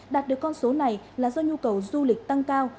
đạt được con số này là do nhu cầu du lịch tăng cao